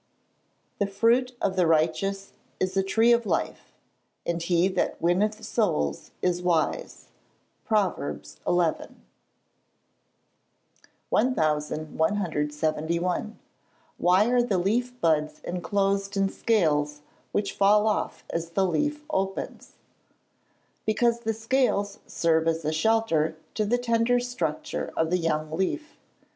[Verse: "The fruit of the righteous is a tree of life; and he that winneth souls is wise." PROVERBS XI.] 1171. Why are the leaf buds enclosed in scales which fall off as the leaf opens? Because the scales serve as a shelter to the tender structure of the young leaf.